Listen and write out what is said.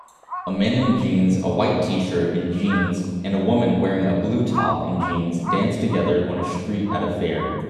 A man in jeans a white tshirt and jeans and a woman wearing a blue top and jeans dance together on a street at a fair